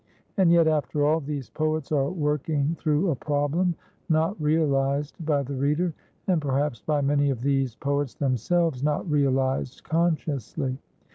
And yet, after all, these poets are working through a problem not realized by the reader, and, perhaps, by many of these poets themselves not realized consciously.